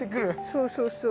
そうそうそう。